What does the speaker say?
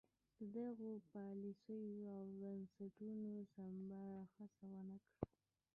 د غوره پالیسیو او بنسټونو سمبالولو هڅې بریالۍ نه دي.